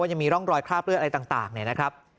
ว่าจะมีร่องรอยคราบเลือดอะไรต่างนะครับ